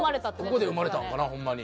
ここで生まれたんかなホンマに。